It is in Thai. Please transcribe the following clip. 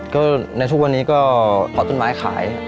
ก็ในทุกวันนี้ก็ถอดต้นไม้ขาย